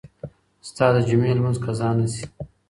ستا د جمعې لمونځ قضا نه شي.